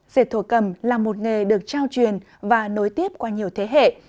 dệt thổ cầm là một nghề được trao truyền và nối tiếp qua nhiều thế hệ